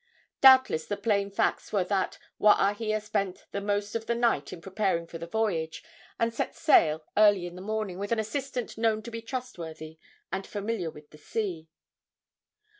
Doubtless the plain facts were that Waahia spent the most of the night in preparing for the voyage, and set sail early in the morning with an assistant known to be trustworthy and familiar with the sea.